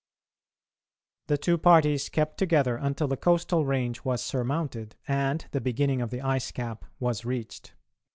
The two parties kept together until the coastal range was surmounted, and the beginning of the ice cap was reached.